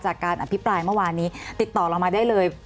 การอภิปรายเมื่อวานนี้ติดต่อเรามาได้เลย